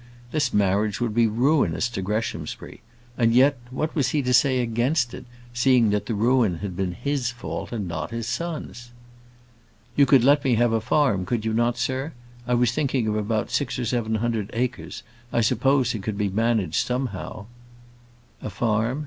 This marriage would be ruinous to Greshamsbury; and yet, what was he to say against it, seeing that the ruin had been his fault, and not his son's? "You could let me have a farm; could you not, sir? I was thinking of about six or seven hundred acres. I suppose it could be managed somehow?" "A farm?"